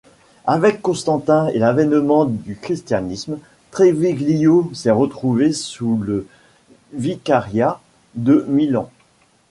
Avec Constantin et l'avènement du christianisme, Treviglio s'est retrouvé sous le vicariat de Milan.